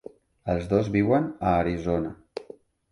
Els dos viuen a Arizona.